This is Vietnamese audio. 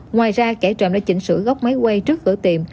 ngoài ra cái trộm đã chỉnh sửa góc máy quay trước cửa tiệm